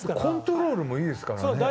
コントロールもいいですからね。